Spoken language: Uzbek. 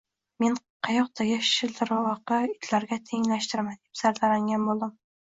– Meni qayoqdagi shildirvoqi itlarga tenglashtirma, – deb zardalangan bo‘ldim